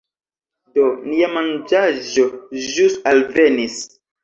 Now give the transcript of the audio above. Do, nia manĝaĵo ĵus alvenis